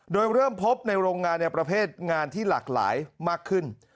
โดยเริ่มพบในโรงงานในประเภทงานที่หลากหลายมากขึ้น